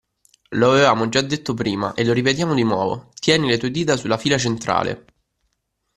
Lo avevamo già detto prima, e lo ripetiamo di nuovo, tieni le tue dita sulla fila centrale.